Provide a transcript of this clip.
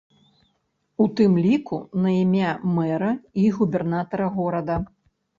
У тым ліку на імя мэра і губернатара горада.